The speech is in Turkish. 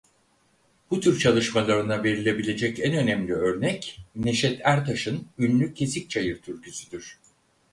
Bu tür çalışmalarına verilebilecek en önemli örnek Neşet Ertaş'ın ünlü "Kesik Çayır" türküsüdür.